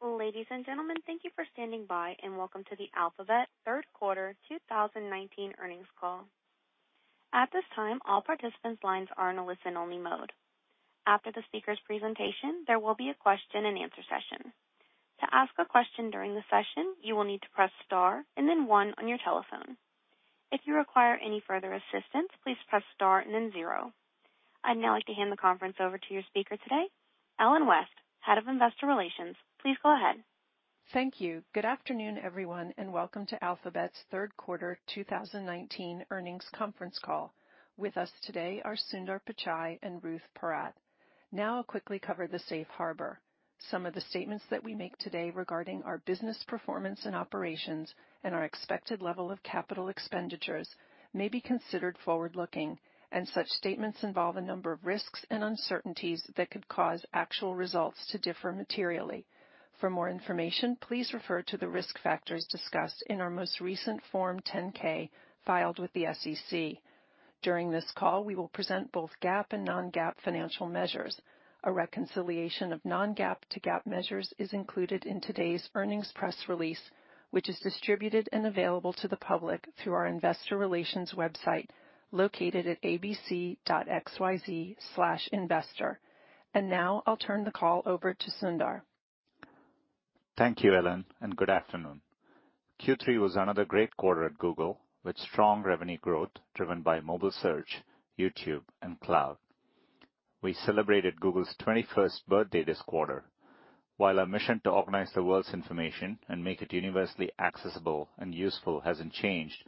Ladies and gentlemen, thank you for standing by and welcome to the Alphabet Q3 2019 earnings call. At this time, all participants' lines are in a listen-only mode. After the speaker's presentation, there will be a question-and-answer session. To ask a question during the session, you will need to press star and then one on your telephone. If you require any further assistance, please press star and then zero. I'd now like to hand the conference over to your speaker today, Ellen West, Head of Investor Relations. Please go ahead. Thank you. Good afternoon, everyone, and welcome to Alphabet's Q3 2019 earnings conference call. With us today are Sundar Pichai and Ruth Porat. Now, I'll quickly cover the Safe Harbor. Some of the statements that we make today regarding our business performance and operations and our expected level of capital expenditures may be considered forward-looking, and such statements involve a number of risks and uncertainties that could cause actual results to differ materially. For more information, please refer to the risk factors discussed in our most recent Form 10-K filed with the SEC. During this call, we will present both GAAP and non-GAAP financial measures. A reconciliation of non-GAAP to GAAP measures is included in today's earnings press release, which is distributed and available to the public through our Investor Relations website located at abc.xyz/investor. And now, I'll turn the call over to Sundar. Thank you, Ellen, and good afternoon. Q3 was another great quarter at Google, with strong revenue growth driven by mobile Search, YouTube, and Cloud. We celebrated Google's 21st birthday this quarter. While our mission to organize the world's information and make it universally accessible and useful hasn't changed,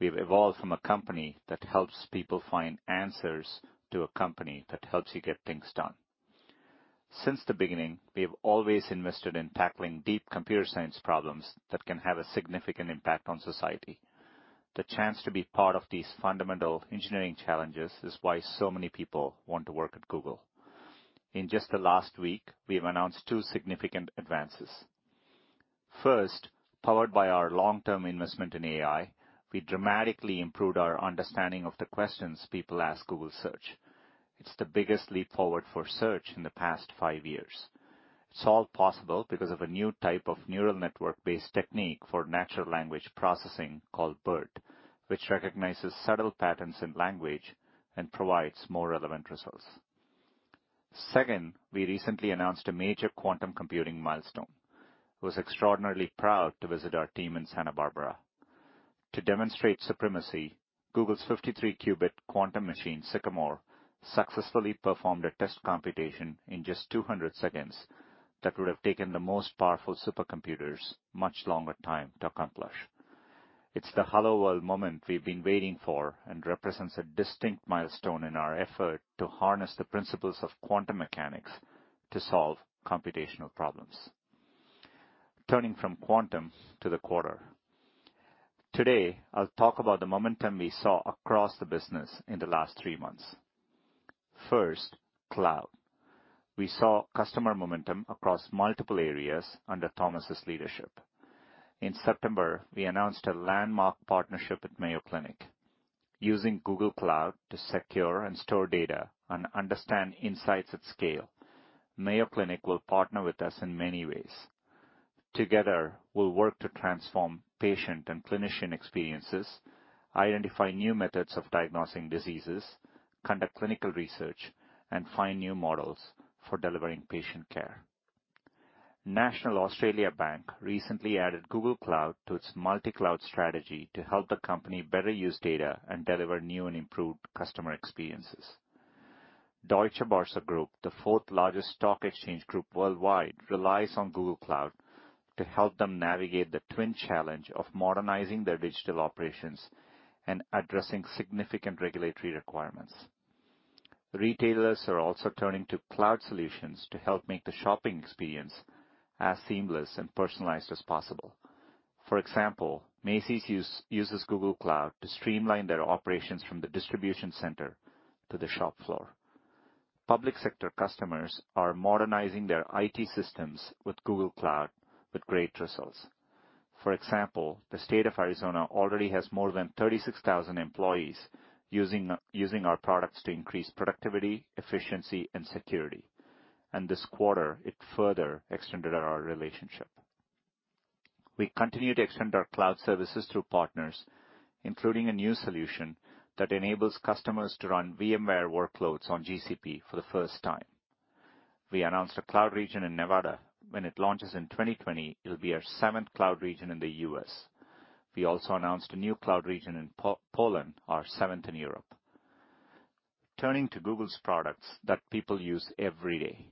we've evolved from a company that helps people find answers to a company that helps you get things done. Since the beginning, we have always invested in tackling deep computer science problems that can have a significant impact on society. The chance to be part of these fundamental engineering challenges is why so many people want to work at Google. In just the last week, we have announced two significant advances. First, powered by our long-term investment in AI, we dramatically improved our understanding of the questions people ask Google Search. It's the biggest leap forward for Search in the past five years. It's all possible because of a new type of neural network-based technique for natural language processing called BERT, which recognizes subtle patterns in language and provides more relevant results. Second, we recently announced a major quantum computing milestone. I was extraordinarily proud to visit our team in Santa Barbara. To demonstrate supremacy, Google's 53-qubit quantum machine, Sycamore, successfully performed a test computation in just 200 seconds that would have taken the most powerful supercomputers much longer time to accomplish. It's the Hello World moment we've been waiting for and represents a distinct milestone in our effort to harness the principles of quantum mechanics to solve computational problems. Turning from quantum to the quarter, today, I'll talk about the momentum we saw across the business in the last three months. First, Cloud. We saw customer momentum across multiple areas under Thomas's leadership. In September, we announced a landmark partnership with Mayo Clinic. Using Google Cloud to secure and store data and understand insights at scale, Mayo Clinic will partner with us in many ways. Together, we'll work to transform patient and clinician experiences, identify new methods of diagnosing diseases, conduct clinical research, and find new models for delivering patient care. National Australia Bank recently added Google Cloud to its multi-cloud strategy to help the company better use data and deliver new and improved customer experiences. Deutsche Börse Group, the fourth-largest stock exchange group worldwide, relies on Google Cloud to help them navigate the twin challenge of modernizing their digital operations and addressing significant regulatory requirements. Retailers are also turning to Cloud solutions to help make the shopping experience as seamless and personalized as possible. For example, Macy's uses Google Cloud to streamline their operations from the distribution center to the shop floor. Public sector customers are modernizing their IT systems with Google Cloud with great results. For example, the state of Arizona already has more than 36,000 employees using our products to increase productivity, efficiency, and security, and this quarter, it further extended our relationship. We continue to extend our Cloud services through partners, including a new solution that enables customers to run VMware workloads on GCP for the first time. We announced a Cloud region in Nevada. When it launches in 2020, it'll be our seventh Cloud region in the U.S. We also announced a new Cloud region in Poland, our seventh in Europe. Turning to Google's products that people use every day,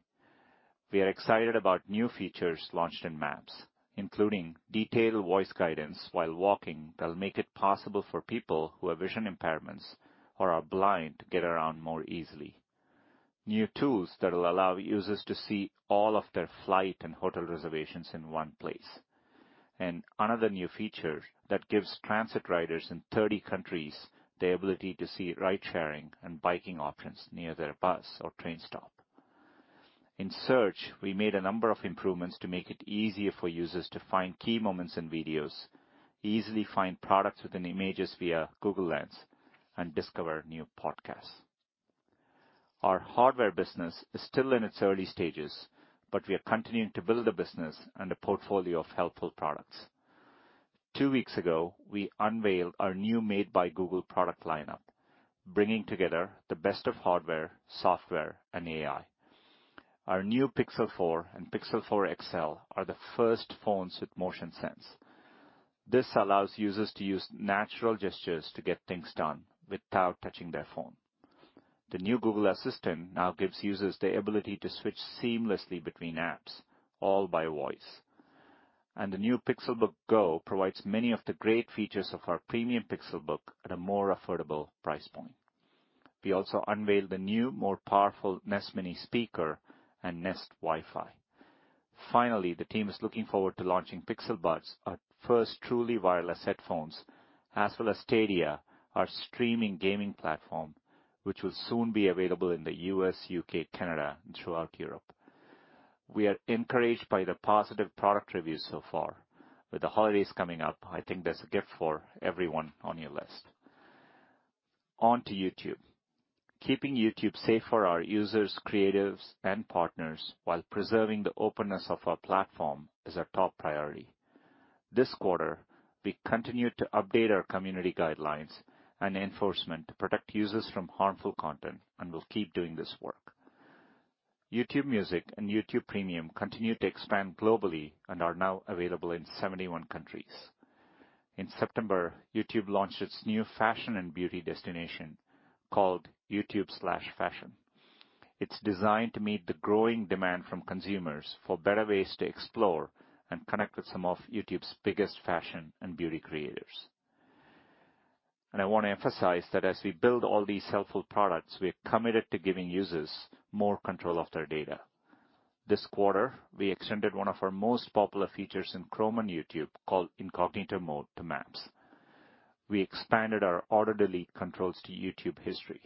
we are excited about new features launched in Maps, including detailed voice guidance while walking that'll make it possible for people who have vision impairments or are blind to get around more easily, new tools that'll allow users to see all of their flight and hotel reservations in one place, and another new feature that gives transit riders in 30 countries the ability to see ride-sharing and biking options near their bus or train stop. In Search, we made a number of improvements to make it easier for users to find key moments in videos, easily find products within images via Google Lens, and discover new podcasts. Our hardware business is still in its early stages, but we are continuing to build the business and a portfolio of helpful products. Two weeks ago, we unveiled our new Made by Google product lineup, bringing together the best of hardware, software, and AI. Our new Pixel 4 and Pixel 4 XL are the first phones with Motion Sense. This allows users to use natural gestures to get things done without touching their phone. The new Google Assistant now gives users the ability to switch seamlessly between apps, all by voice. And the new Pixelbook Go provides many of the great features of our premium Pixelbook at a more affordable price point. We also unveiled the new, more powerful Nest Mini speaker and Nest Wifi. Finally, the team is looking forward to launching Pixel Buds, our first truly wireless headphones, as well as Stadia, our streaming gaming platform, which will soon be available in the U.S., U.K., Canada, and throughout Europe. We are encouraged by the positive product reviews so far. With the holidays coming up, I think there's a gift for everyone on your list. On to YouTube. Keeping YouTube safe for our users, creatives, and partners while preserving the openness of our platform is our top priority. This quarter, we continue to update our community guidelines and enforcement to protect users from harmful content and will keep doing this work. YouTube Music and YouTube Premium continue to expand globally and are now available in 71 countries. In September, YouTube launched its new fashion and beauty destination called YouTube/Fashion. It's designed to meet the growing demand from consumers for better ways to explore and connect with some of YouTube's biggest fashion and beauty creators. And I want to emphasize that as we build all these helpful products, we are committed to giving users more control of their data. This quarter, we extended one of our most popular features in Chrome and YouTube called Incognito Mode to Maps. We expanded our auto-delete controls to YouTube history.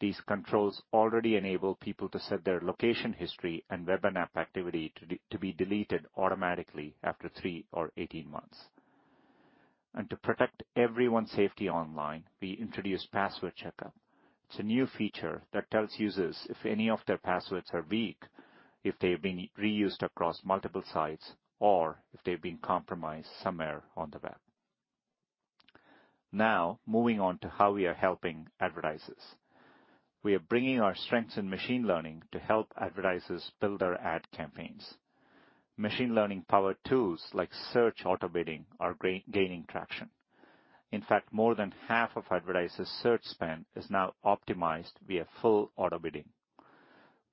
These controls already enable people to set their location history and web and app activity to be deleted automatically after three or 18 months, and to protect everyone's safety online, we introduced Password Checkup. It's a new feature that tells users if any of their passwords are weak, if they've been reused across multiple sites, or if they've been compromised somewhere on the web. Now, moving on to how we are helping advertisers. We are bringing our strengths in machine learning to help advertisers build their ad campaigns. Machine learning-powered tools like search auto-bidding are gaining traction. In fact, more than half of advertisers' search spend is now optimized via full auto-bidding.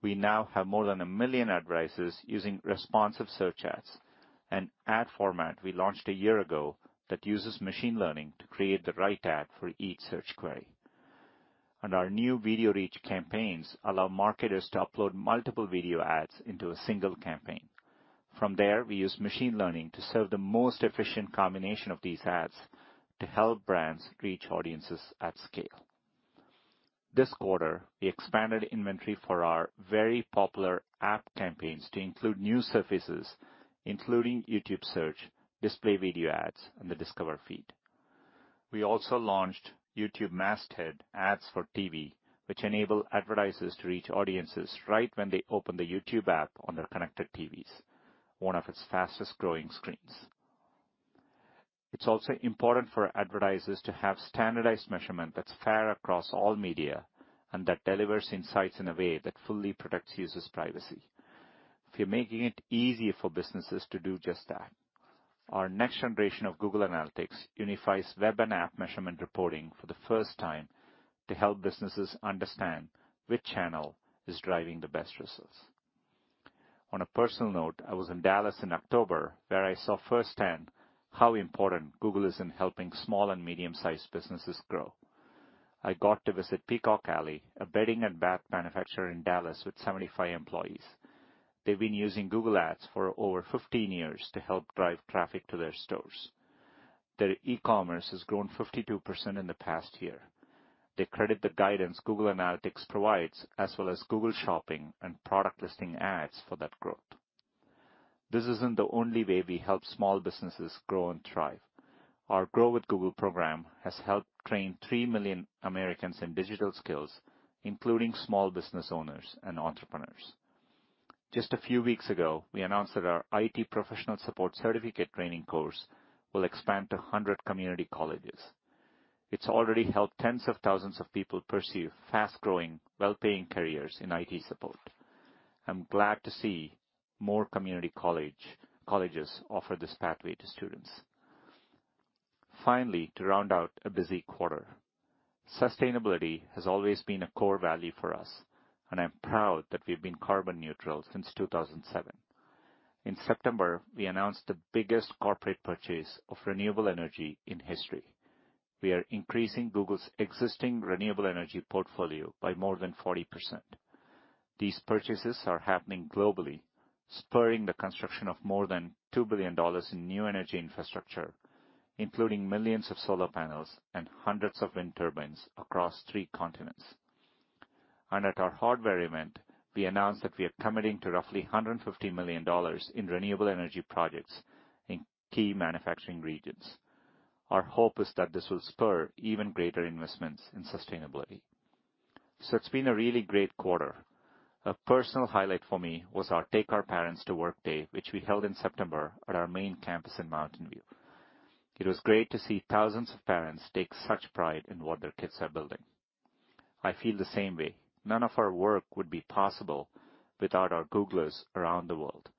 We now have more than a million advertisers using Responsive Search Ads, an ad format we launched a year ago that uses machine learning to create the right ad for each search query, and our new Video Reach campaigns allow marketers to upload multiple video ads into a single campaign. From there, we use machine learning to serve the most efficient combination of these ads to help brands reach audiences at scale. This quarter, we expanded inventory for our very popular App campaigns to include new surfaces, including YouTube search, Display, video ads, and the Discover feed. We also launched YouTube Masthead ads for TV, which enable advertisers to reach audiences right when they open the YouTube app on their connected TVs, one of its fastest-growing screens. It's also important for advertisers to have standardized measurement that's fair across all media and that delivers insights in a way that fully protects users' privacy. We are making it easy for businesses to do just that. Our next generation of Google Analytics unifies web and app measurement reporting for the first time to help businesses understand which channel is driving the best results. On a personal note, I was in Dallas in October, where I saw firsthand how important Google is in helping small and medium-sized businesses grow. I got to visit Peacock Alley, a bedding and bath manufacturer in Dallas with 75 employees. They've been using Google Ads for over 15 years to help drive traffic to their stores. Their e-commerce has grown 52% in the past year. They credit the guidance Google Analytics provides, as well as Google Shopping and Product Listing Ads for that growth. This isn't the only way we help small businesses grow and thrive. Our Grow with Google program has helped train 3 million Americans in digital skills, including small business owners and entrepreneurs. Just a few weeks ago, we announced that our IT professional support certificate training course will expand to 100 community colleges. It's already helped tens of thousands of people pursue fast-growing, well-paying careers in IT support. I'm glad to see more community colleges offer this pathway to students. Finally, to round out a busy quarter, sustainability has always been a core value for us, and I'm proud that we've been carbon neutral since 2007. In September, we announced the biggest corporate purchase of renewable energy in history. We are increasing Google's existing renewable energy portfolio by more than 40%. These purchases are happening globally, spurring the construction of more than $2 billion in new energy infrastructure, including millions of solar panels and hundreds of wind turbines across three continents, and at our hardware event, we announced that we are committing to roughly $150 million in renewable energy projects in key manufacturing regions. Our hope is that this will spur even greater investments in sustainability, so it's been a really great quarter. A personal highlight for me was our Take Your Parents to Work Day, which we held in September at our main campus in Mountain View. It was great to see thousands of parents take such pride in what their kids are building. I feel the same way. None of our work would be possible without our Googlers around the world.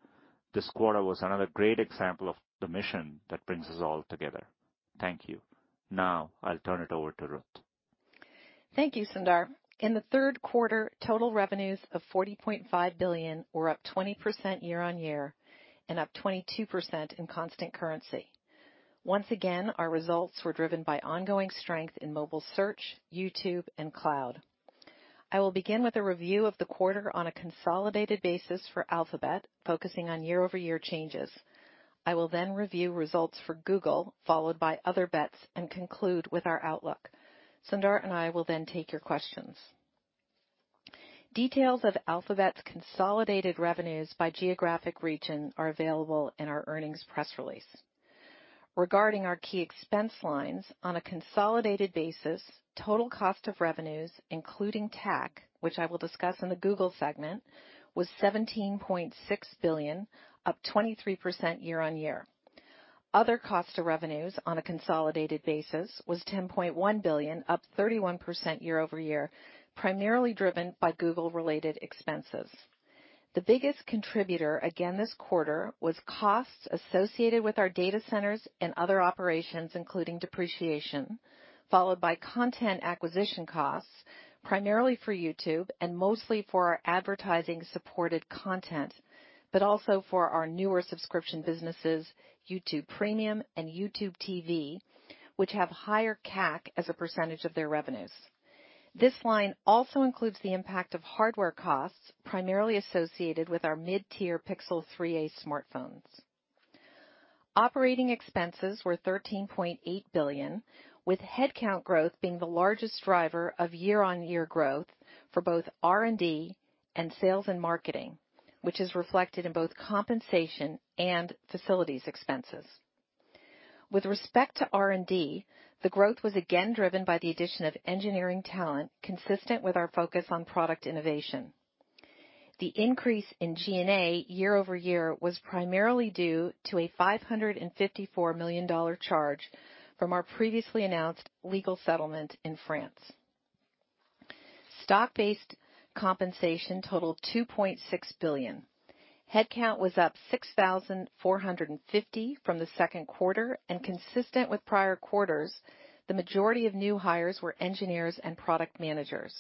This quarter was another great example of the mission that brings us all together. Thank you. Now, I'll turn it over to Ruth. Thank you, Sundar. In the third quarter, total revenues of $40.5 billion were up 20% year-over-year and up 22% in constant currency. Once again, our results were driven by ongoing strength in mobile Search, YouTube, and Cloud. I will begin with a review of the quarter on a consolidated basis for Alphabet, focusing on year-over-year changes. I will then review results for Google, followed by Other Bets, and conclude with our outlook. Sundar and I will then take your questions. Details of Alphabet's consolidated revenues by geographic region are available in our earnings press release. Regarding our key expense lines, on a consolidated basis, total cost of revenues, including TAC, which I will discuss in the Google segment, was $17.6 billion, up 23% year-over-year. Other cost of revenues, on a consolidated basis, was $10.1 billion, up 31% year-over-year, primarily driven by Google-related expenses. The biggest contributor again this quarter was costs associated with our data centers and other operations, including depreciation, followed by content acquisition costs, primarily for YouTube and mostly for our advertising-supported content, but also for our newer subscription businesses, YouTube Premium and YouTube TV, which have higher CAC as a percentage of their revenues. This line also includes the impact of hardware costs, primarily associated with our mid-tier Pixel 3a smartphones. Operating expenses were $13.8 billion, with headcount growth being the largest driver of year-on-year growth for both R&D and sales and marketing, which is reflected in both compensation and facilities expenses. With respect to R&D, the growth was again driven by the addition of engineering talent, consistent with our focus on product innovation. The increase in G&A year-over-year was primarily due to a $554 million charge from our previously announced legal settlement in France. Stock-based compensation totaled $2.6 billion. Headcount was up 6,450 from the second quarter, and consistent with prior quarters, the majority of new hires were engineers and product managers.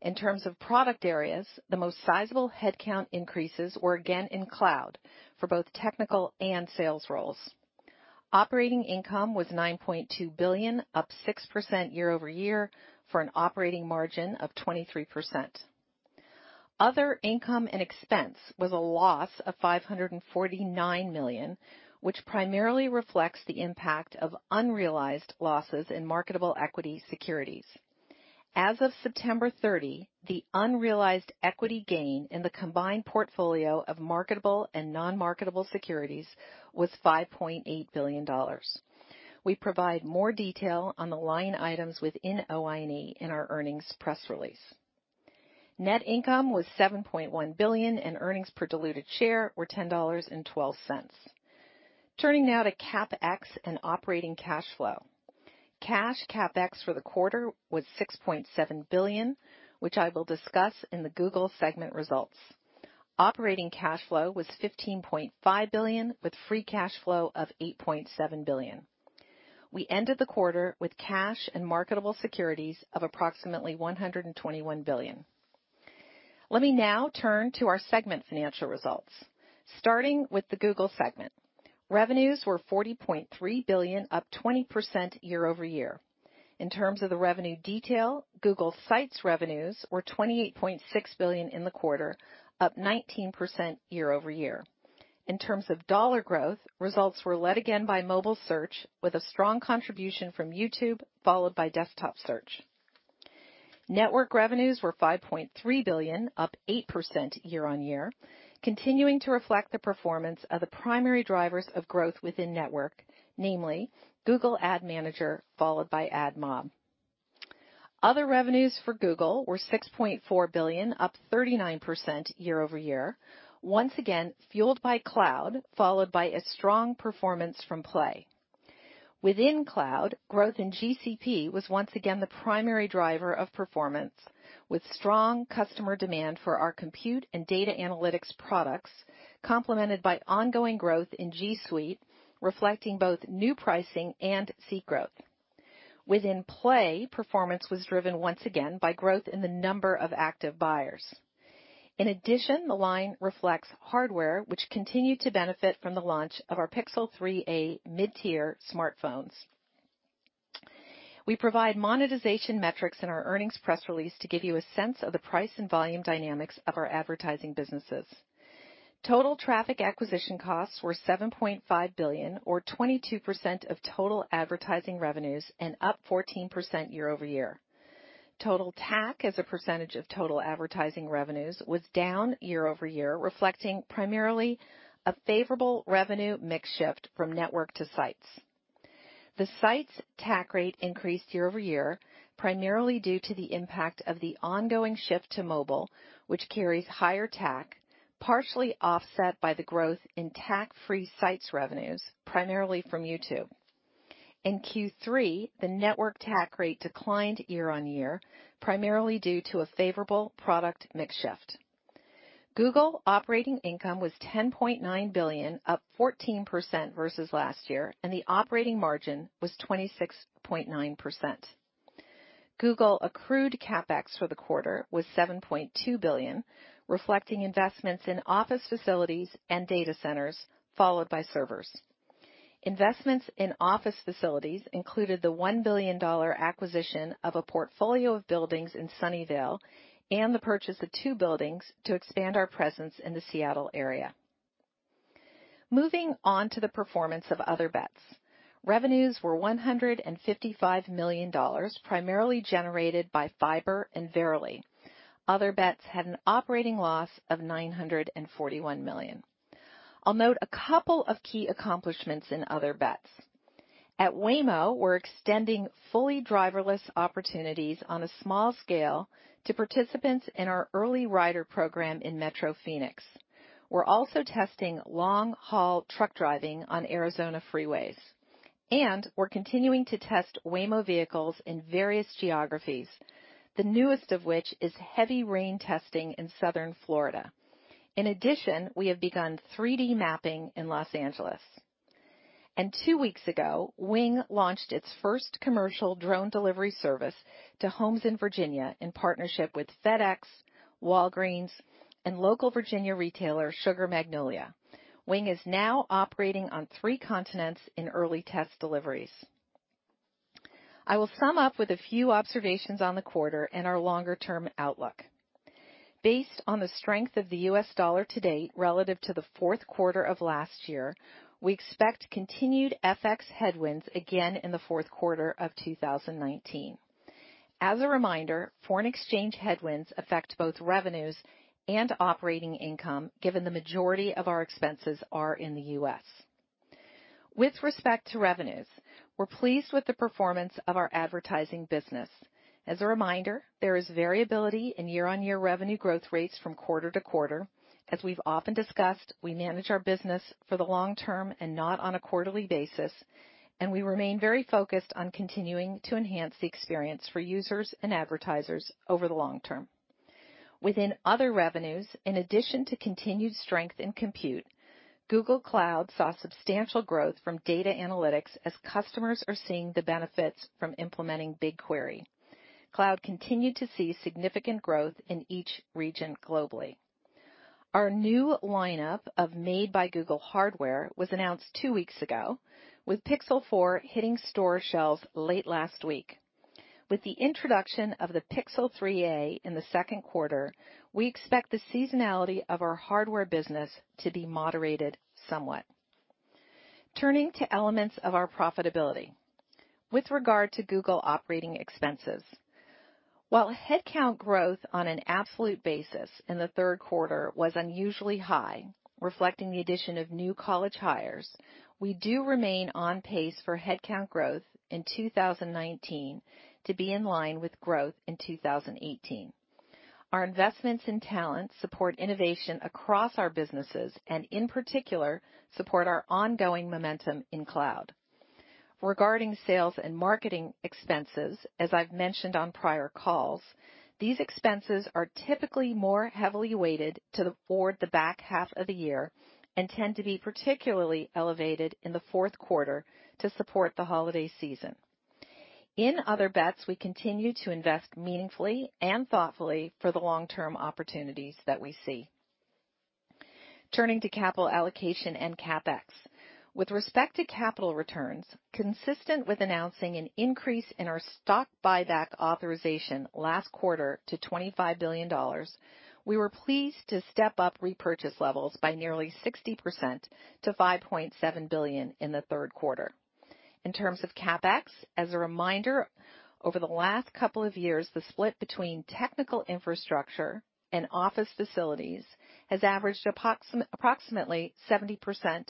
In terms of product areas, the most sizable headcount increases were again in Cloud for both technical and sales roles. Operating income was $9.2 billion, up 6% year-over-year for an operating margin of 23%. Other income and expense was a loss of $549 million, which primarily reflects the impact of unrealized losses in marketable equity securities. As of September 30, the unrealized equity gain in the combined portfolio of marketable and non-marketable securities was $5.8 billion. We provide more detail on the line items within OI&E in our earnings press release. Net income was $7.1 billion, and earnings per diluted share were $10.12. Turning now to CapEx and operating cash flow. Cash CapEx for the quarter was $6.7 billion, which I will discuss in the Google segment results. Operating cash flow was $15.5 billion, with free cash flow of $8.7 billion. We ended the quarter with cash and marketable securities of approximately $121 billion. Let me now turn to our segment financial results. Starting with the Google segment, revenues were $40.3 billion, up 20% year-over-year. In terms of the revenue detail, Google Sites revenues were $28.6 billion in the quarter, up 19% year-over-year. In terms of dollar growth, results were led again by mobile search, with a strong contribution from YouTube, followed by desktop search. Google Network revenues were $5.3 billion, up 8% year-over-year, continuing to reflect the performance of the primary drivers of growth within Network, namely Google Ad Manager, followed by AdMob. Other revenues for Google were $6.4 billion, up 39% year-over-year, once again fueled by Cloud, followed by a strong performance from Play. Within Cloud, growth in GCP was once again the primary driver of performance, with strong customer demand for our compute and data analytics products, complemented by ongoing growth in G Suite, reflecting both new pricing and seat growth. Within Play, performance was driven once again by growth in the number of active buyers. In addition, the line reflects hardware, which continued to benefit from the launch of our Pixel 3a mid-tier smartphones. We provide monetization metrics in our earnings press release to give you a sense of the price and volume dynamics of our advertising businesses. Total traffic acquisition costs were $7.5 billion, or 22% of total advertising revenues, and up 14% year-over-year. Total TAC as a percentage of total advertising revenues was down year-over-year, reflecting primarily a favorable revenue mix shift from network to sites. The sites TAC rate increased year-over-year, primarily due to the impact of the ongoing shift to mobile, which carries higher TAC, partially offset by the growth in TAC-free sites revenues, primarily from YouTube. In Q3, the network TAC rate declined year-on-year, primarily due to a favorable product mix shift. Google operating income was $10.9 billion, up 14% versus last year, and the operating margin was 26.9%. Google accrued CapEx for the quarter was $7.2 billion, reflecting investments in office facilities and data centers, followed by servers. Investments in office facilities included the $1 billion acquisition of a portfolio of buildings in Sunnyvale and the purchase of two buildings to expand our presence in the Seattle area. Moving on to the performance of Other Bets. Revenues were $155 million, primarily generated by Fiber and Verily. Other Bets had an operating loss of $941 million. I'll note a couple of key accomplishments in Other Bets. At Waymo, we're extending fully driverless opportunities on a small scale to participants in our Early Rider program in Metro Phoenix. We're also testing long-haul truck driving on Arizona freeways, and we're continuing to test Waymo vehicles in various geographies, the newest of which is heavy rain testing in Southern Florida. In addition, we have begun 3D mapping in Los Angeles, and two weeks ago, Wing launched its first commercial drone delivery service to homes in Virginia in partnership with FedEx, Walgreens, and local Virginia retailer Sugar Magnolia. Wing is now operating on three continents in early test deliveries. I will sum up with a few observations on the quarter and our longer-term outlook. Based on the strength of the U.S. dollar today relative to the fourth quarter of last year, we expect continued FX headwinds again in the fourth quarter of 2019. As a reminder, foreign exchange headwinds affect both revenues and operating income, given the majority of our expenses are in the U.S. With respect to revenues, we're pleased with the performance of our advertising business. As a reminder, there is variability in year-on-year revenue growth rates from quarter to quarter. As we've often discussed, we manage our business for the long term and not on a quarterly basis, and we remain very focused on continuing to enhance the experience for users and advertisers over the long term. Within other revenues, in addition to continued strength in compute, Google Cloud saw substantial growth from data analytics as customers are seeing the benefits from implementing BigQuery. Cloud continued to see significant growth in each region globally. Our new lineup of Made by Google hardware was announced two weeks ago, with Pixel 4 hitting store shelves late last week. With the introduction of the Pixel 3a in the second quarter, we expect the seasonality of our hardware business to be moderated somewhat. Turning to elements of our profitability with regard to Google operating expenses. While headcount growth on an absolute basis in the third quarter was unusually high, reflecting the addition of new college hires, we do remain on pace for headcount growth in 2019 to be in line with growth in 2018. Our investments in talent support innovation across our businesses and, in particular, support our ongoing momentum in Cloud. Regarding sales and marketing expenses, as I've mentioned on prior calls, these expenses are typically more heavily weighted toward the back half of the year and tend to be particularly elevated in the fourth quarter to support the holiday season. In Other Bets, we continue to invest meaningfully and thoughtfully for the long-term opportunities that we see. Turning to capital allocation and CapEx. With respect to capital returns, consistent with announcing an increase in our stock buyback authorization last quarter to $25 billion, we were pleased to step up repurchase levels by nearly 60% to $5.7 billion in the third quarter. In terms of CapEx, as a reminder, over the last couple of years, the split between technical infrastructure and office facilities has averaged approximately 70%-30%.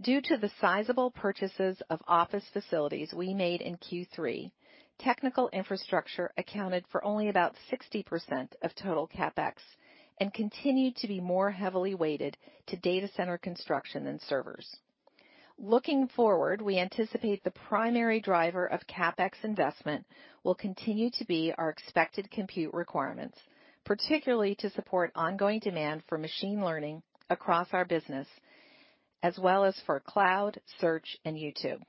Due to the sizable purchases of office facilities we made in Q3, technical infrastructure accounted for only about 60% of total CapEx and continued to be more heavily weighted to data center construction than servers. Looking forward, we anticipate the primary driver of CapEx investment will continue to be our expected compute requirements, particularly to support ongoing demand for machine learning across our business, as well as for Cloud, Search, and YouTube.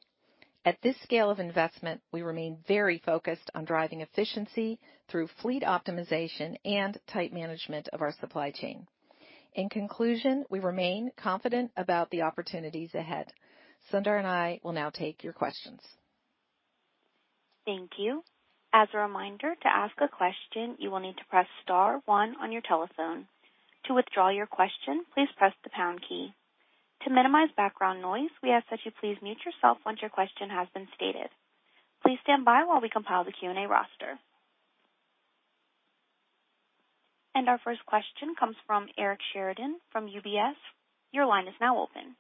At this scale of investment, we remain very focused on driving efficiency through fleet optimization and tight management of our supply chain. In conclusion, we remain confident about the opportunities ahead. Sundar and I will now take your questions. Thank you. As a reminder, to ask a question, you will need to press star one on your telephone. To withdraw your question, please press the pound key. To minimize background noise, we ask that you please mute yourself once your question has been stated. Please stand by while we compile the Q&A roster. And our first question comes from Eric Sheridan from UBS. Your line is now open.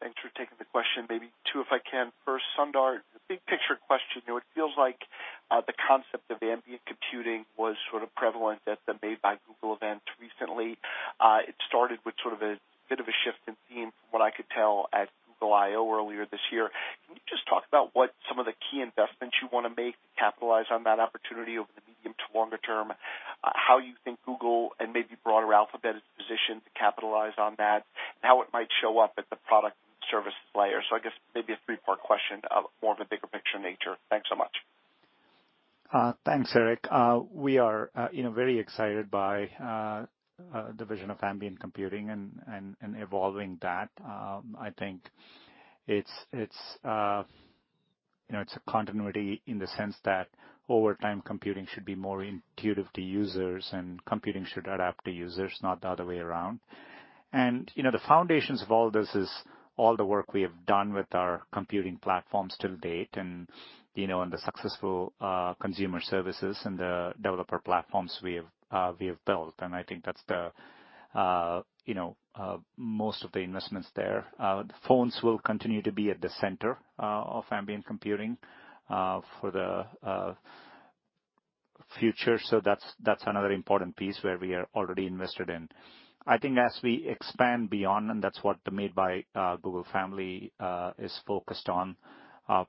Thanks for taking the question. Maybe two, if I can. First, Sundar, the big picture question. It feels like the concept of ambient computing was sort of prevalent at the Made by Google event recently. It started with sort of a bit of a shift in theme, from what I could tell, at Google I/O earlier this year. Can you just talk about what some of the key investments you want to make to capitalize on that opportunity over the medium to longer term, how you think Google and maybe broader Alphabet is positioned to capitalize on that, and how it might show up at the product and services layer? So I guess maybe a three-part question, more of a bigger picture nature. Thanks so much. Thanks, Eric. We are very excited by the vision of ambient computing and evolving that. I think it's a continuity in the sense that over time, computing should be more intuitive to users, and computing should adapt to users, not the other way around. And the foundations of all this is all the work we have done with our computing platforms to date and the successful consumer services and the developer platforms we have built. And I think that's most of the investments there. Phones will continue to be at the center of ambient computing for the future, so that's another important piece where we are already invested in. I think as we expand beyond, and that's what the Made by Google family is focused on,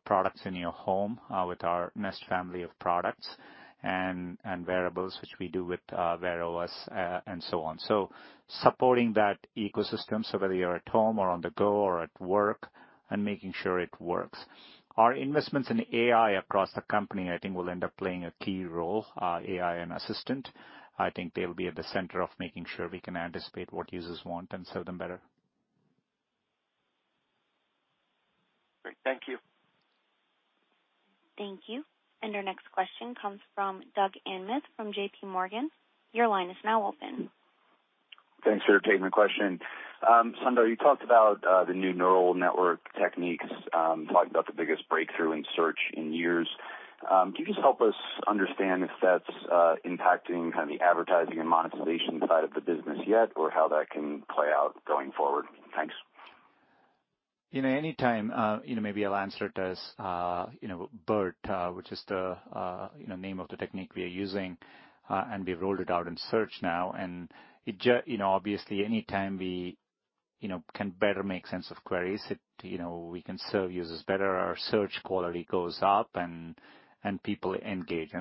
products in your home with our Nest family of products and wearables, which we do with Wear OS and so on. So supporting that ecosystem, so whether you're at home or on the go or at work, and making sure it works. Our investments in AI across the company, I think, will end up playing a key role, AI and Assistant. I think they will be at the center of making sure we can anticipate what users want and serve them better. Great. Thank you. Thank you. And our next question comes from Doug Anmuth from JPMorgan. Your line is now open. Thanks for taking the question. Sundar, you talked about the new neural network techniques, talked about the biggest breakthrough in Search in years. Can you just help us understand if that's impacting kind of the advertising and monetization side of the business yet or how that can play out going forward? Thanks. Anytime, maybe I'll answer it as BERT, which is the name of the technique we are using, and we've rolled it out in Search now. And obviously, anytime we can better make sense of queries, we can serve users better. Our search quality goes up, and people engage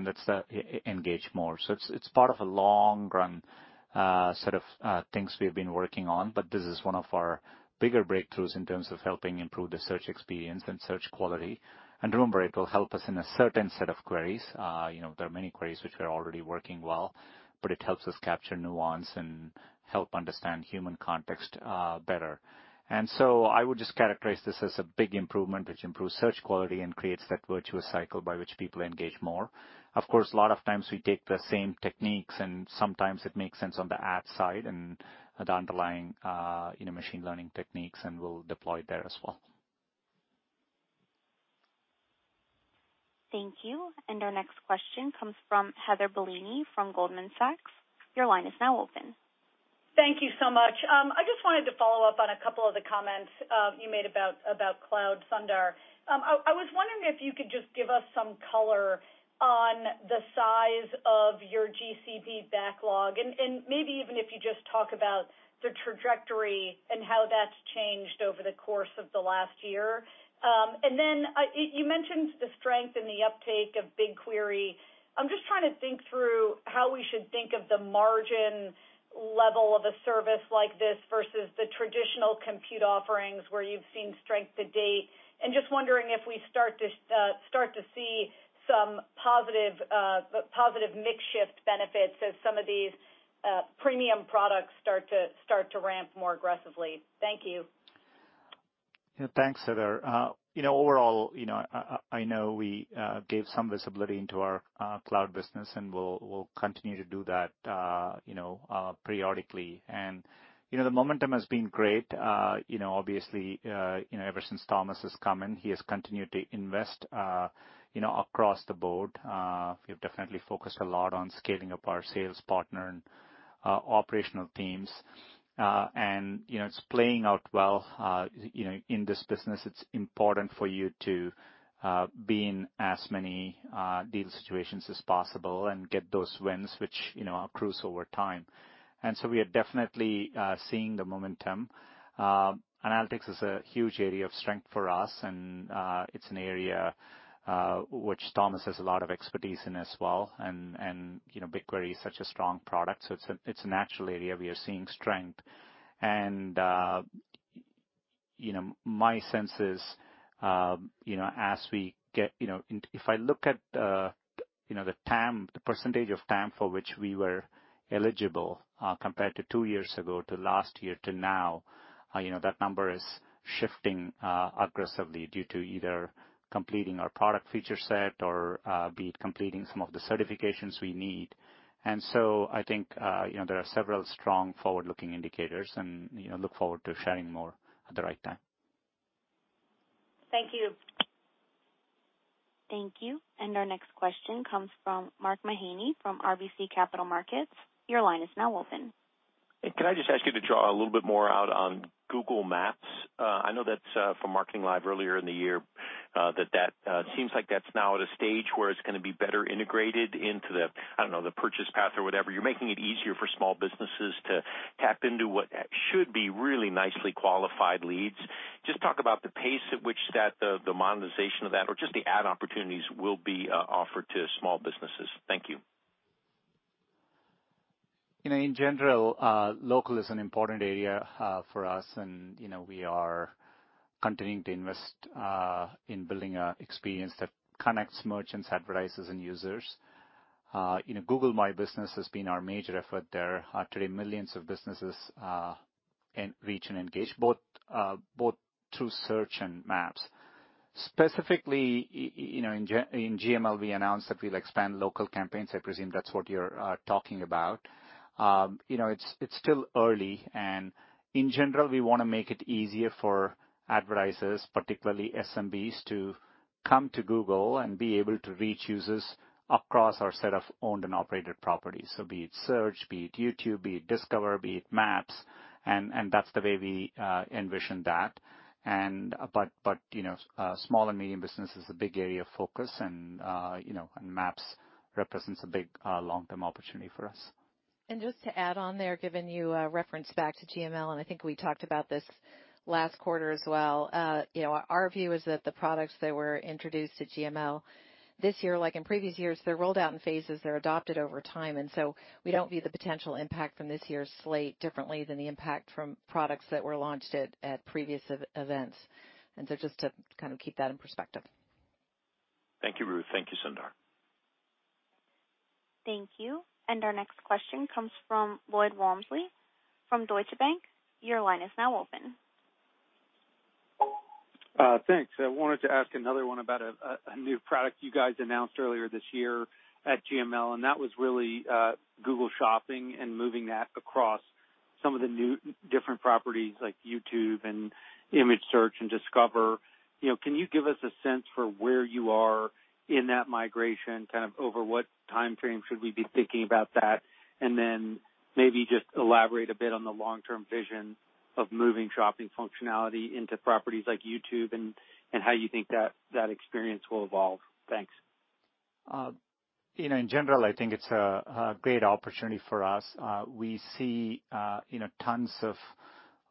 more. So it's part of a long-running set of things we have been working on, but this is one of our bigger breakthroughs in terms of helping improve the search experience and search quality. And remember, it will help us in a certain set of queries. There are many queries which we're already working well, but it helps us capture nuance and help understand human context better. And so I would just characterize this as a big improvement, which improves search quality and creates that virtuous cycle by which people engage more. Of course, a lot of times we take the same techniques, and sometimes it makes sense on the ad side and the underlying machine learning techniques, and we'll deploy there as well. Thank you. And our next question comes from Heather Bellini from Goldman Sachs. Your line is now open. Thank you so much. I just wanted to follow up on a couple of the comments you made about Cloud, Sundar. I was wondering if you could just give us some color on the size of your GCP backlog, and maybe even if you just talk about the trajectory and how that's changed over the course of the last year. And then you mentioned the strength and the uptake of BigQuery. I'm just trying to think through how we should think of the margin level of a service like this versus the traditional compute offerings where you've seen strength to date. And just wondering if we start to see some positive mix shift benefits as some of these premium products start to ramp more aggressively. Thank you. Thanks, Heather. Overall, I know we gave some visibility into our Cloud business, and we'll continue to do that periodically. And the momentum has been great. Obviously, ever since Thomas has come in, he has continued to invest across the Board. We have definitely focused a lot on scaling up our sales partner and operational teams, and it's playing out well in this business. It's important for you to be in as many deal situations as possible and get those wins which accrue over time, and so we are definitely seeing the momentum. Analytics is a huge area of strength for us, and it's an area which Thomas has a lot of expertise in as well. BigQuery is such a strong product, so it's a natural area we are seeing strength, and my sense is, as we get if I look at the percentage of time for which we were eligible compared to two years ago to last year to now, that number is shifting aggressively due to either completing our product feature set or be it completing some of the certifications we need. And so I think there are several strong forward-looking indicators, and look forward to sharing more at the right time. Thank you. Thank you. And our next question comes from Mark Mahaney from RBC Capital Markets. Your line is now open. Can I just ask you to draw a little bit more out on Google Maps? I know that's from Marketing Live earlier in the year that seems like that's now at a stage where it's going to be better integrated into the, I don't know, the purchase path or whatever. You're making it easier for small businesses to tap into what should be really nicely qualified leads. Just talk about the pace at which the monetization of that or just the ad opportunities will be offered to small businesses. Thank you. In general, local is an important area for us, and we are continuing to invest in building an experience that connects merchants, advertisers, and users. Google My Business has been our major effort there. Today, millions of businesses reach and engage, both through Search and Maps. Specifically, in GML, we announced that we'll expand Local Campaigns. I presume that's what you're talking about. It's still early, and in general, we want to make it easier for advertisers, particularly SMBs, to come to Google and be able to reach users across our set of owned and operated properties, so be it Search, be it YouTube, be it Discover, be it Maps, and that's the way we envision that, but small and medium business is a big area of focus, and Maps represents a big long-term opportunity for us. And just to add on there, giving you a reference back to GML, and I think we talked about this last quarter as well. Our view is that the products that were introduced at GML this year, like in previous years, they're rolled out in phases. They're adopted over time. And so we don't view the potential impact from this year's slate differently than the impact from products that were launched at previous events. And so just to kind of keep that in perspective. Thank you, Ruth. Thank you, Sundar. Thank you. And our next question comes from Lloyd Walmsley from Deutsche Bank. Your line is now open. Thanks. I wanted to ask another one about a new product you guys announced earlier this year at GML, and that was really Google Shopping and moving that across some of the different properties like YouTube and Image Search and Discover. Can you give us a sense for where you are in that migration, kind of over what time frame should we be thinking about that? And then maybe just elaborate a bit on the long-term vision of moving shopping functionality into properties like YouTube and how you think that experience will evolve. Thanks. In general, I think it's a great opportunity for us. We see tons of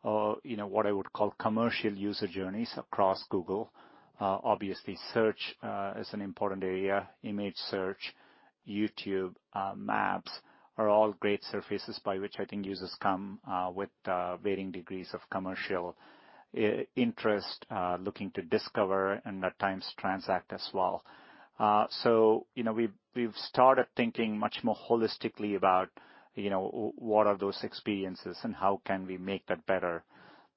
what I would call commercial user journeys across Google. Obviously, Search is an important area. Image Search, YouTube, Maps are all great surfaces by which I think users come with varying degrees of commercial interest, looking to discover and at times transact as well. So we've started thinking much more holistically about what are those experiences and how can we make that better.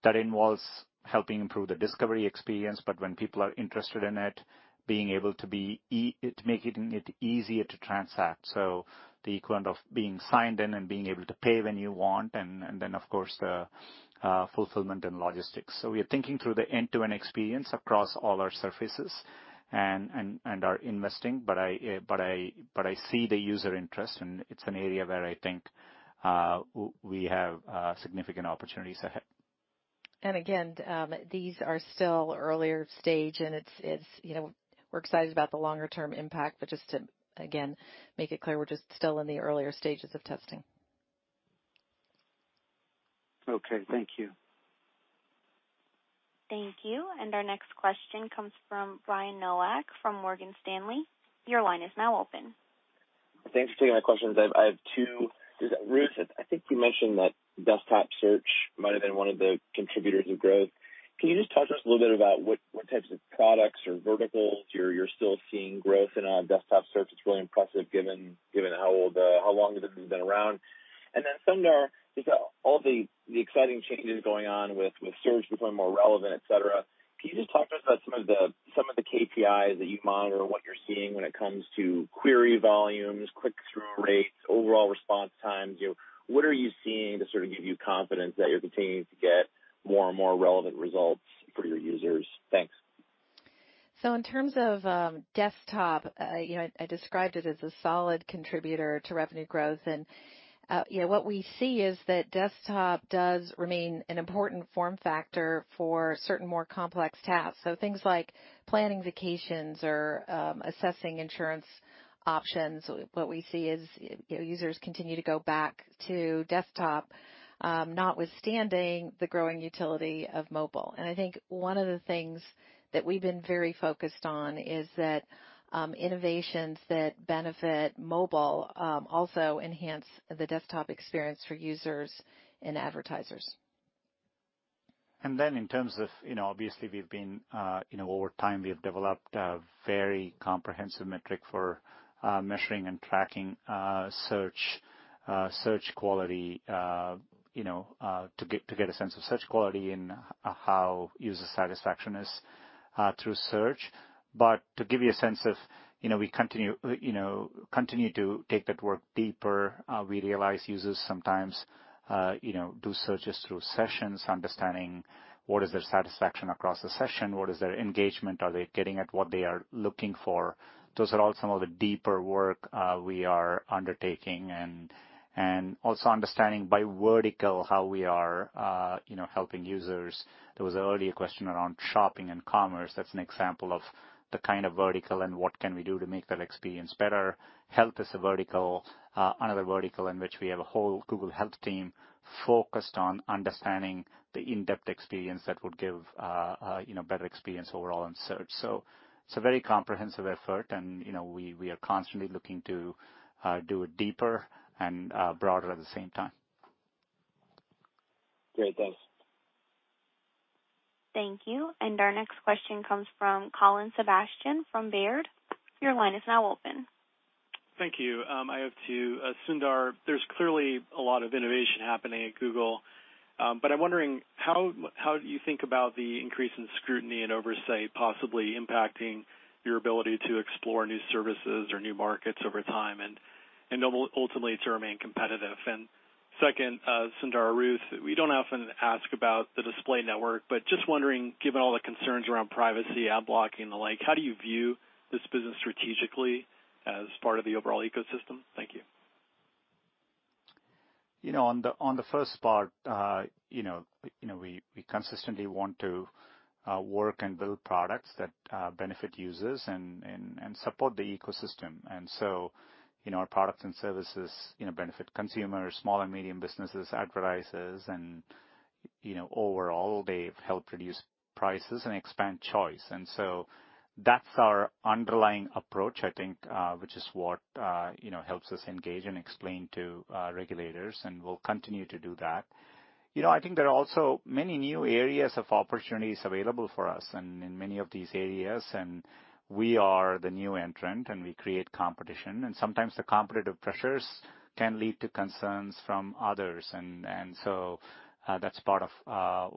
That involves helping improve the discovery experience, but when people are interested in it, being able to make it easier to transact, so the equivalent of being signed in and being able to pay when you want, and then, of course, the fulfillment and logistics. So we are thinking through the end-to-end experience across all our surfaces and our investing, but I see the user interest, and it's an area where I think we have significant opportunities ahead. And again, these are still earlier stage, and we're excited about the longer-term impact, but just to, again, make it clear, we're just still in the earlier stages of testing. Okay. Thank you. Thank you, and our next question comes from Brian Nowak from Morgan Stanley. Your line is now open. Thanks for taking my questions. I have two. Ruth, I think you mentioned that desktop search might have been one of the contributors of growth. Can you just talk to us a little bit about what types of products or verticals you're still seeing growth in on desktop search? It's really impressive given how long it has been around. And then, Sundar, just all the exciting changes going on with Search becoming more relevant, etc., can you just talk to us about some of the KPIs that you monitor, what you're seeing when it comes to query volumes, click-through rates, overall response times? What are you seeing to sort of give you confidence that you're continuing to get more and more relevant results for your users? Thanks. So in terms of desktop, I described it as a solid contributor to revenue growth. What we see is that desktop does remain an important form factor for certain more complex tasks. Things like planning vacations or assessing insurance options, what we see is users continue to go back to desktop, notwithstanding the growing utility of mobile. I think one of the things that we've been very focused on is that innovations that benefit mobile also enhance the desktop experience for users and advertisers. In terms of, obviously, we've been over time, we have developed a very comprehensive metric for measuring and tracking search quality to get a sense of search quality and how user satisfaction is through search. To give you a sense of we continue to take that work deeper. We realize users sometimes do searches through sessions, understanding what is their satisfaction across the session, what is their engagement, are they getting at what they are looking for? Those are all some of the deeper work we are undertaking and also understanding by vertical how we are helping users. There was an earlier question around shopping and commerce. That's an example of the kind of vertical and what can we do to make that experience better. Health is another vertical in which we have a whole Google Health team focused on understanding the in-depth experience that would give a better experience overall in Search. So it's a very comprehensive effort, and we are constantly looking to do it deeper and broader at the same time. Great. Thanks. Thank you. And our next question comes from Colin Sebastian from Baird. Your line is now open. Thank you. I have two. Sundar, there's clearly a lot of innovation happening at Google, but I'm wondering how do you think about the increase in scrutiny and oversight possibly impacting your ability to explore new services or new markets over time and ultimately to remain competitive? And second, Sundar Ruth, we don't often ask about the display network, but just wondering, given all the concerns around privacy, ad blocking, and the like, how do you view this business strategically as part of the overall ecosystem? Thank you. On the first part, we consistently want to work and build products that benefit users and support the ecosystem. And so our products and services benefit consumers, small and medium businesses, advertisers, and overall, they help reduce prices and expand choice. And so that's our underlying approach, I think, which is what helps us engage and explain to regulators, and we'll continue to do that. I think there are also many new areas of opportunities available for us in many of these areas, and we are the new entrant, and we create competition, and sometimes the competitive pressures can lead to concerns from others, and so that's part of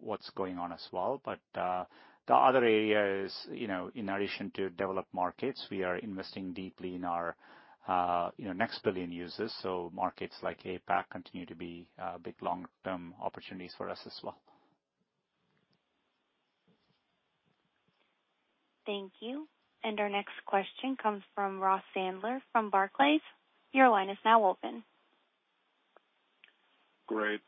what's going on as well, but the other area is, in addition to developed markets, we are investing deeply in our next billion users, so markets like APAC continue to be big long-term opportunities for us as well. Thank you, and our next question comes from Ross Sandler from Barclays. Your line is now open. Great.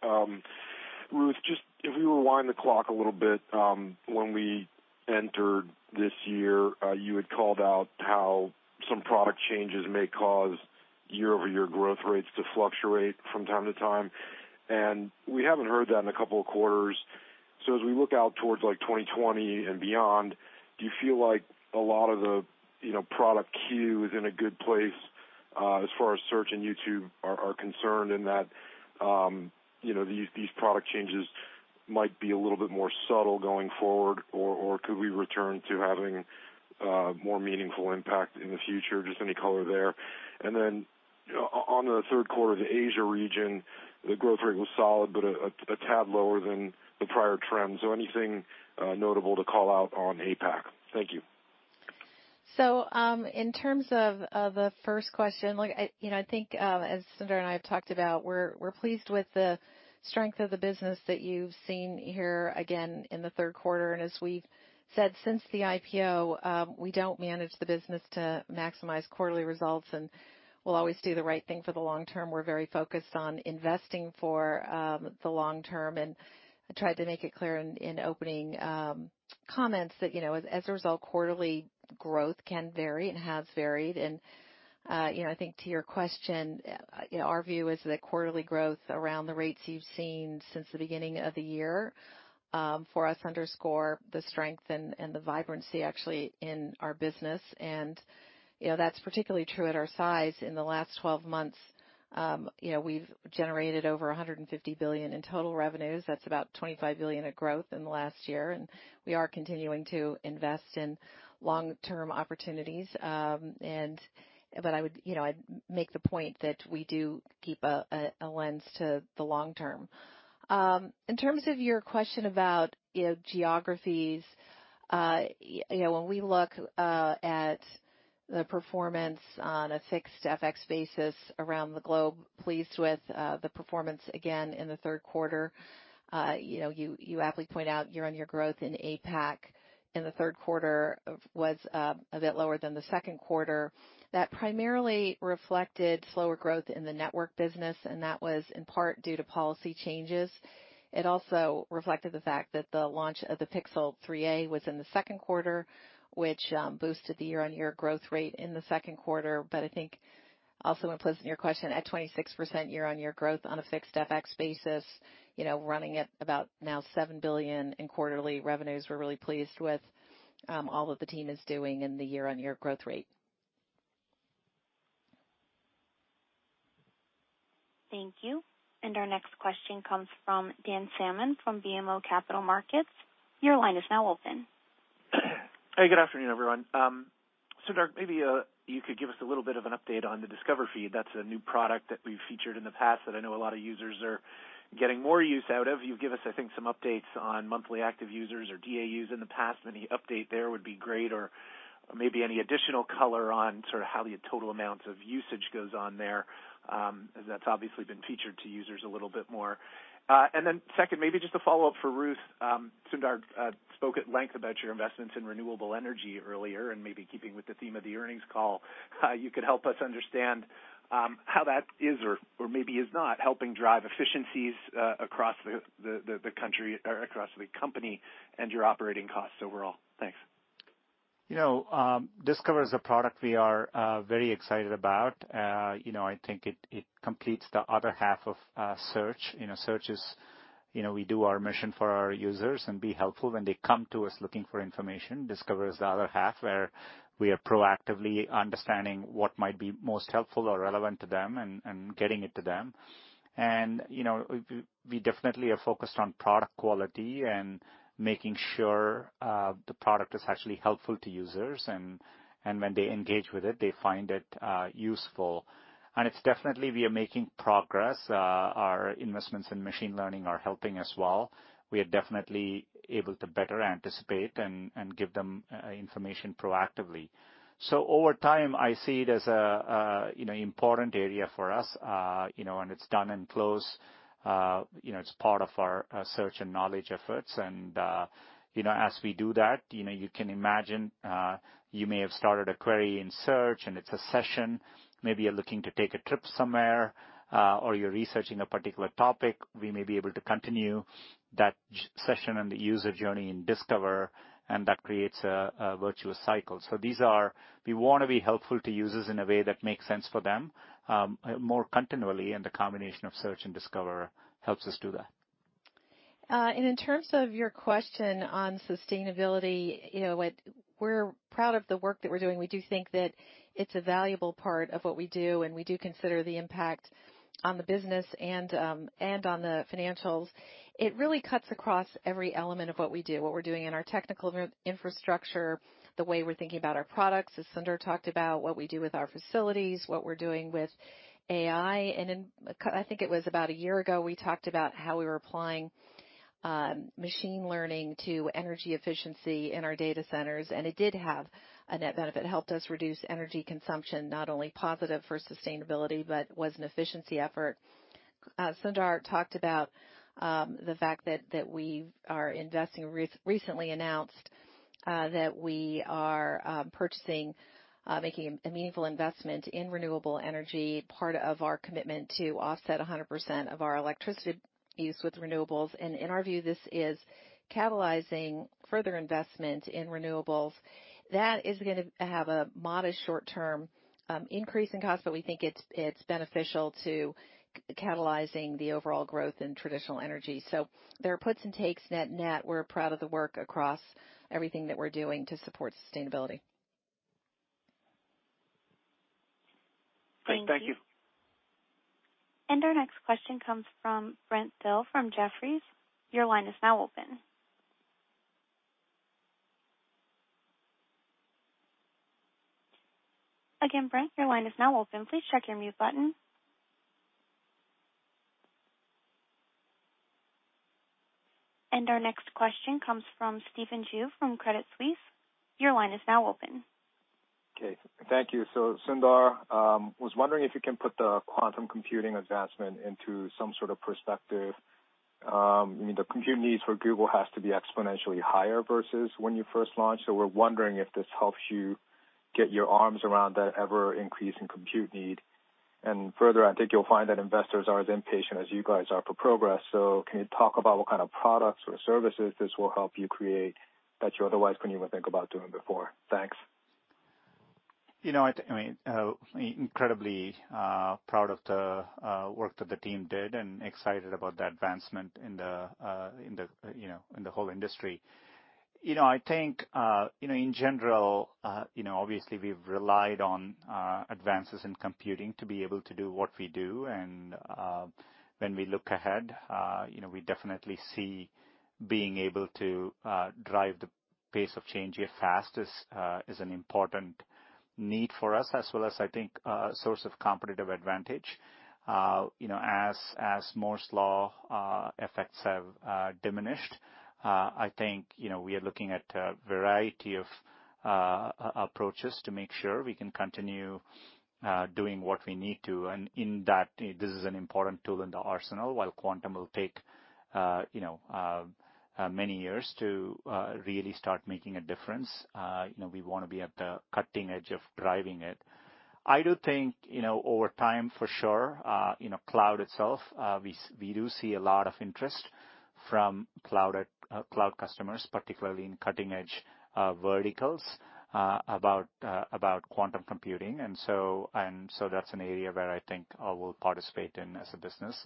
Ruth, just if we rewind the clock a little bit, when we entered this year, you had called out how some product changes may cause year-over-year growth rates to fluctuate from time to time, and we haven't heard that in a couple of quarters. So as we look out towards 2020 and beyond, do you feel like a lot of the product queue is in a good place as far as Search and YouTube are concerned in that these product changes might be a little bit more subtle going forward, or could we return to having more meaningful impact in the future? Just any color there. And then on the third quarter, the Asia region, the growth rate was solid, but a tad lower than the prior trend. So anything notable to call out on APAC? Thank you. So in terms of the first question, I think, as Sundar and I have talked about, we're pleased with the strength of the business that you've seen here, again, in the third quarter. As we've said since the IPO, we don't manage the business to maximize quarterly results, and we'll always do the right thing for the long term. We're very focused on investing for the long term. And I tried to make it clear in opening comments that, as a result, quarterly growth can vary and has varied. And I think to your question, our view is that quarterly growth around the rates you've seen since the beginning of the year for us underscore the strength and the vibrancy, actually, in our business. And that's particularly true at our size. In the last 12 months, we've generated over $150 billion in total revenues. That's about $25 billion of growth in the last year. And we are continuing to invest in long-term opportunities. But I would make the point that we do keep a lens to the long term. In terms of your question about geographies, when we look at the performance on a fixed FX basis around the globe. Pleased with the performance, again, in the third quarter. You aptly point out our growth in APAC in the third quarter was a bit lower than the second quarter. That primarily reflected slower growth in the network business, and that was in part due to policy changes. It also reflected the fact that the launch of the Pixel 3a was in the second quarter, which boosted the year-on-year growth rate in the second quarter. But I think also implicit in your question at 26% year-on-year growth on a fixed FX basis, running at about $7 billion now in quarterly revenues. We're really pleased with all that the team is doing in the year-on-year growth rate. Thank you. And our next question comes from Dan Salmon from BMO Capital Markets. Your line is now open. Hey, good afternoon, everyone. Sundar, maybe you could give us a little bit of an update on the Discover feed. That's a new product that we've featured in the past that I know a lot of users are getting more use out of. You've given us, I think, some updates on monthly active users or DAUs in the past. Any update there would be great or maybe any additional color on sort of how the total amounts of usage goes on there, as that's obviously been featured to users a little bit more. And then second, maybe just a follow-up for Ruth. Sundar spoke at length about your investments in renewable energy earlier and maybe keeping with the theme of the earnings call. You could help us understand how that is or maybe is not helping drive efficiencies across the country or across the company and your operating costs overall. Thanks. Discover is a product we are very excited about. I think it completes the other half of Search. In searches, we do our mission for our users and be helpful when they come to us looking for information. Discover is the other half where we are proactively understanding what might be most helpful or relevant to them and getting it to them. And we definitely are focused on product quality and making sure the product is actually helpful to users. And when they engage with it, they find it useful. And it's definitely we are making progress. Our investments in machine learning are helping as well. We are definitely able to better anticipate and give them information proactively. So over time, I see it as an important area for us, and it's done in close. It's part of our search and knowledge efforts. And as we do that, you can imagine you may have started a query in Search, and it's a session. Maybe you're looking to take a trip somewhere or you're researching a particular topic. We may be able to continue that session and the user journey in Discover, and that creates a virtuous cycle. So we want to be helpful to users in a way that makes sense for them more continually, and the combination of Search and Discover helps us do that. And in terms of your question on sustainability, we're proud of the work that we're doing. We do think that it's a valuable part of what we do, and we do consider the impact on the business and on the financials. It really cuts across every element of what we do, what we're doing in our technical infrastructure, the way we're thinking about our products, as Sundar talked about, what we do with our facilities, what we're doing with AI, and I think it was about a year ago we talked about how we were applying machine learning to energy efficiency in our data centers, and it did have a net benefit. It helped us reduce energy consumption, not only positive for sustainability, but was an efficiency effort. Sundar talked about the fact that we are investing. Recently announced that we are making a meaningful investment in renewable energy, part of our commitment to offset 100% of our electricity use with renewables, and in our view, this is catalyzing further investment in renewables. That is going to have a modest short-term increase in cost, but we think it's beneficial to catalyzing the overall growth in traditional energy. So there are puts and takes net-net. We're proud of the work across everything that we're doing to support sustainability. Thank you. Thank you. And our next question comes from Brent Thill from Jefferies. Your line is now open. Again, Brent, your line is now open. Please check your mute button. And our next question comes from Stephen Ju from Credit Suisse. Your line is now open. Okay. Thank you. So, Sundar, wondering if you can put the quantum computing advancement into some sort of perspective. I mean, the compute needs for Google has to be exponentially higher versus when you first launched. So we're wondering if this helps you get your arms around that ever-increasing compute need. And further, I think you'll find that investors are as impatient as you guys are for progress. So can you talk about what kind of products or services this will help you create that you otherwise couldn't even think about doing before? Thanks. I mean, incredibly proud of the work that the team did and excited about the advancement in the whole industry. I think, in general, obviously, we've relied on advances in computing to be able to do what we do. And when we look ahead, we definitely see being able to drive the pace of change here fast is an important need for us, as well as, I think, a source of competitive advantage. As Moore's Law effects have diminished, I think we are looking at a variety of approaches to make sure we can continue doing what we need to. And in that, this is an important tool in the arsenal, while quantum will take many years to really start making a difference. We want to be at the cutting edge of driving it. I do think over time, for sure, Cloud itself, we do see a lot of interest from Cloud customers, particularly in cutting-edge verticals about quantum computing. And so that's an area where I think we'll participate in as a business.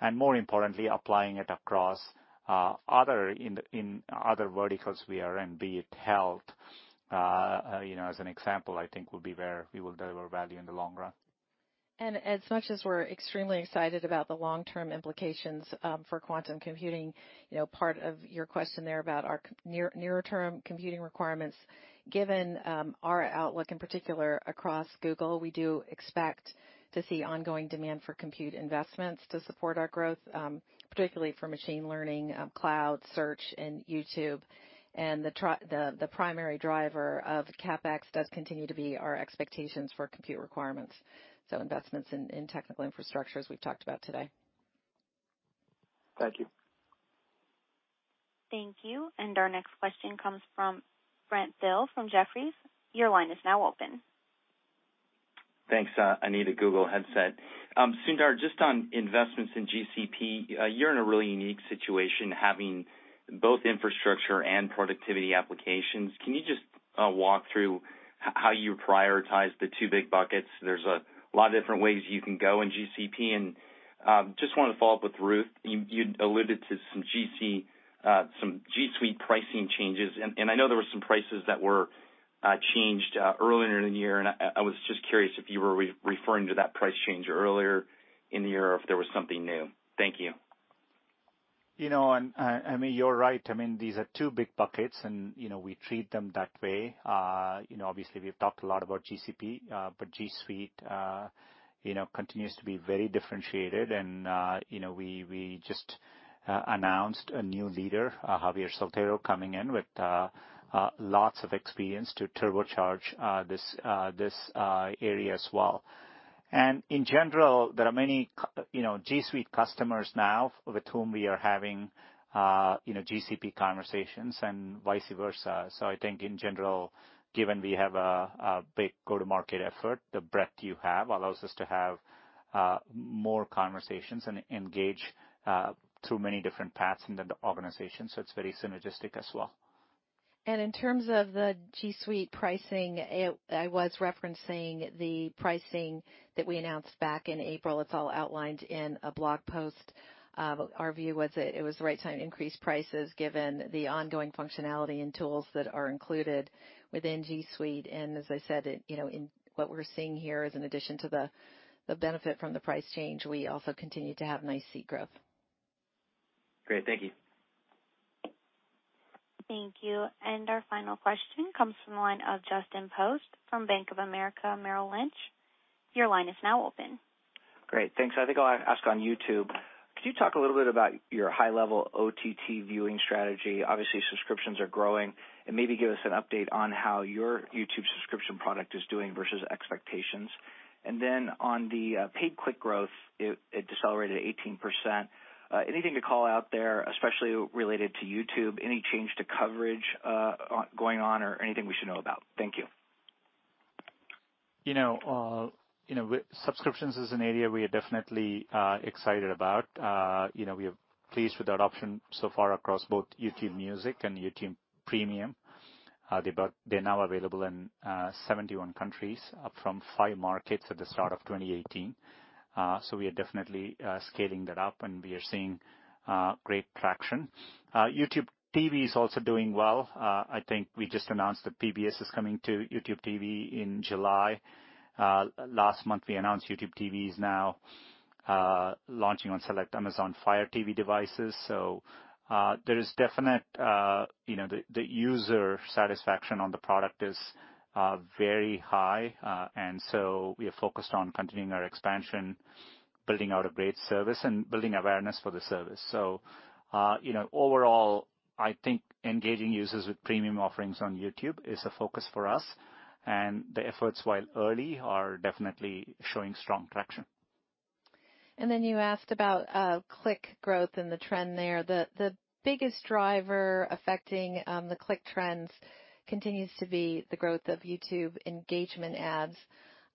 And more importantly, applying it across other verticals we are in, be it health, as an example, I think will be where we will deliver value in the long run. And as much as we're extremely excited about the long-term implications for quantum computing, part of your question there about our near-term computing requirements, given our outlook in particular across Google, we do expect to see ongoing demand for compute investments to support our growth, particularly for machine learning, Cloud, Search, and YouTube. And the primary driver of CapEx does continue to be our expectations for compute requirements. So investments in technical infrastructure we've talked about today. Thank you. Thank you. And our next question comes from Brent Thill from Jefferies. Your line is now open. Thanks. I need a Google headset. Sundar, just on investments in GCP, you're in a really unique situation having both infrastructure and productivity applications. Can you just walk through how you prioritize the two big buckets? There's a lot of different ways you can go in GCP. And just wanted to follow up with Ruth. You alluded to some G Suite pricing changes. And I know there were some prices that were changed earlier in the year. And I was just curious if you were referring to that price change earlier in the year or if there was something new. Thank you. I mean, you're right. I mean, these are two big buckets, and we treat them that way. Obviously, we've talked a lot about GCP, but G Suite continues to be very differentiated. And we just announced a new leader, Javier Soltero, coming in with lots of experience to turbocharge this area as well. And in general, there are many G Suite customers now with whom we are having GCP conversations and vice versa. I think, in general, given we have a big go-to-market effort, the breadth you have allows us to have more conversations and engage through many different paths in the organization. So it's very synergistic as well. And in terms of the G Suite pricing, I was referencing the pricing that we announced back in April. It's all outlined in a blog post. Our view was that it was the right time to increase prices given the ongoing functionality and tools that are included within G Suite. And as I said, what we're seeing here is in addition to the benefit from the price change, we also continue to have nice seat growth. Great. Thank you. Thank you. And our final question comes from the line of Justin Post from Bank of America Merrill Lynch. Your line is now open. Great. Thanks. I think I'll ask on YouTube. Could you talk a little bit about your high-level OTT viewing strategy? Obviously, subscriptions are growing. And maybe give us an update on how your YouTube subscription product is doing versus expectations. And then on the paid click growth, it decelerated 18%. Anything to call out there, especially related to YouTube? Any change to coverage going on or anything we should know about? Thank you. Subscriptions is an area we are definitely excited about. We are pleased with our adoption so far across both YouTube Music and YouTube Premium. They're now available in 71 countries from five markets at the start of 2018. So we are definitely scaling that up, and we are seeing great traction. YouTube TV is also doing well. I think we just announced that PBS is coming to YouTube TV in July. Last month, we announced YouTube TV is now launching on select Amazon Fire TV devices, so there is definite user satisfaction on the product is very high, and so we are focused on continuing our expansion, building out a great service, and building awareness for the service, so overall, I think engaging users with premium offerings on YouTube is a focus for us, and the efforts, while early, are definitely showing strong traction. And then you asked about click growth and the trend there. The biggest driver affecting the click trends continues to be the growth of YouTube Engagement Ads,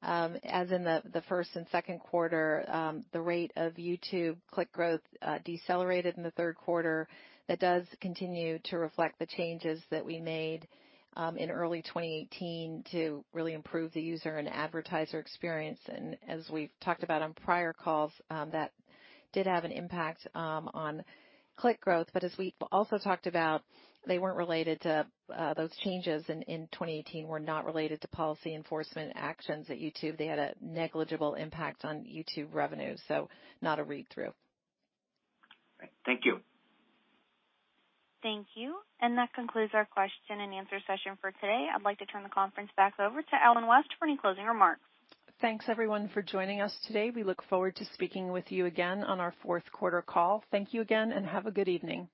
as in the first and second quarter, the rate of YouTube click growth decelerated in the third quarter, that does continue to reflect the changes that we made in early 2018 to really improve the user and advertiser experience. As we've talked about on prior calls, that did have an impact on click growth. As we've also talked about, they weren't related to those changes in 2018. We're not related to policy enforcement actions at YouTube. They had a negligible impact on YouTube revenue. Not a read-through. Thank you. Thank you. That concludes our question and answer session for today. I'd like to turn the conference back over to Ellen West for any closing remarks. Thanks, everyone, for joining us today. We look forward to speaking with you again on our fourth quarter call. Thank you again, and have a good evening.